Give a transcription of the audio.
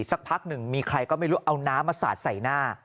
สักพักหนึ่งมีใครก็ไม่รู้เอาน้ำมาสาดใส่หน้า